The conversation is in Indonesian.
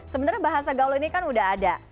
sebenarnya bahasa gaul ini kan udah ada